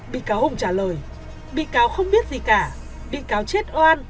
bị cáo hùng trả lời bị cáo không biết gì cả bị cáo chết oan